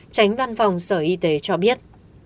tránh văn phòng sở y tế cho biết